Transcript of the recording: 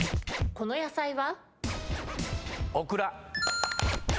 この野菜は？